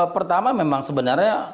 pertama memang sebenarnya